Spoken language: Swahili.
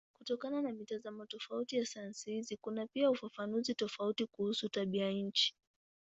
Kutokana na mitazamo tofauti ya sayansi hizi kuna pia ufafanuzi tofauti kuhusu tabianchi.